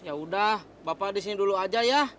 ya udah bapak disini dulu aja ya